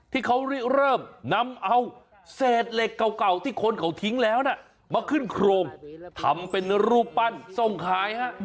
ที่เขาเริ่มนำเอาเศษเหล็กเก่าที่คนเขาทิ้งแล้วนะมาขึ้นโครงทำเป็นรูปปั้นส่งขายฮะ